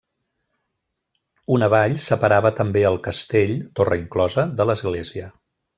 Un vall separava també el castell, torre inclosa, de l'església.